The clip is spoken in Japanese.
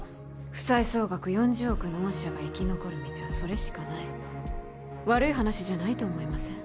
負債総額４０億の御社が生き残る道はそれしかない悪い話じゃないと思いません？